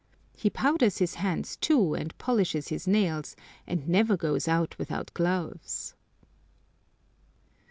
He powders his hands too, and polishes his nails, and never goes out without gloves.